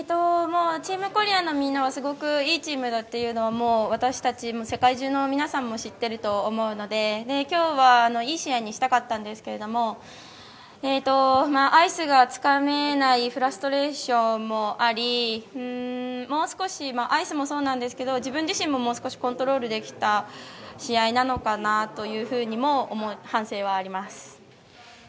チームコリアのみんなはすごくいいチームだって私たちも世界中の皆さんも知っていると思うので今日はいい試合にしたかったんですけれども、アイスがつかめないフラストレーションもあり、もう少しアイスもそうなんですけど自分自身ももう少しコントロールできた試合なのかなとも反省があります。